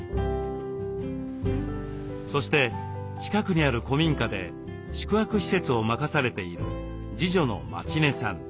そして近くにある古民家で宿泊施設を任されている次女の舞宙音さん。